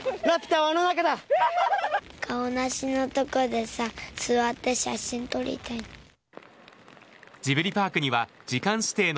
カオナシのとこでさ、座って写真撮りたい。